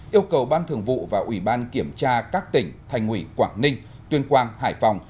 yêu cầu ban thường vụ và ủy ban kiểm tra các tỉnh thành ủy quảng ninh tuyên quang hải phòng